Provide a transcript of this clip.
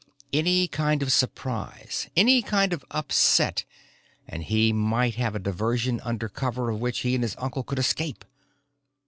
Any kind of surprise, any kind of upset and he might have a diversion under cover of which he and his uncle could escape.